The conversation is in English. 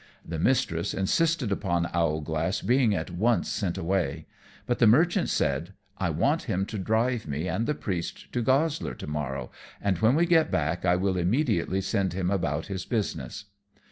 The mistress insisted upon Owlglass being at once sent away; but the Merchant said, "I want him to drive me and the priest to Goslar to morrow, and when we get back I will immediately send him about his business."